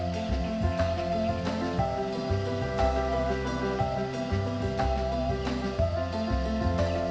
menjadi wilayah konservasi alam